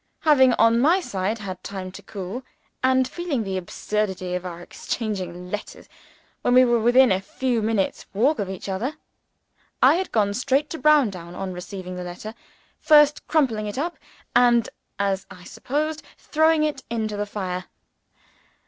Having, on my side, had time to cool and feeling the absurdity of our exchanging letters when we were within a few minutes' walk of each other I had gone straight to Browndown, on receiving the letter: first crumpling it up, and (as I supposed) throwing it into the fire.